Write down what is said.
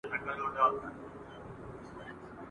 « موړ د وږي له احواله څه خبر دی!.